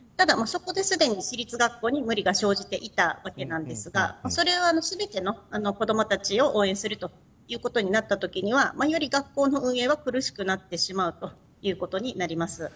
ただ、そこですでに私立学校に無理が生じていたわけなんですがそれは、全ての子どもたちを応援するということになったときにはより学校の運営は苦しくなってしまうということになります。